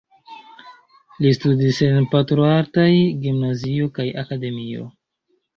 Li studis en pentroartaj gimnazio kaj akademio.